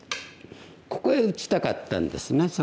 ここへ打ちたかったんですね。